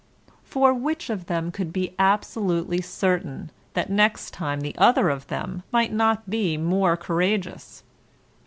For which of them could be absolutely certain that next time the other of them might not be more courageous?